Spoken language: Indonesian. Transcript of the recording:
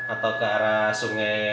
atau ke arah sungai